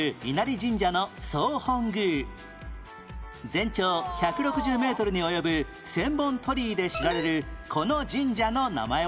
全長１６０メートルに及ぶ千本鳥居で知られるこの神社の名前は？